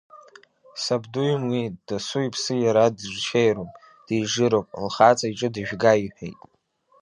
Сабду имуит, досу иԥсы иара дирҽеироуп, дижыроуп, лхаҵа иҿы дыжәга иҳәеит.